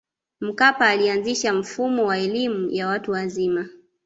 mkapa alianzisha mfumo wa elimu ya watu wazima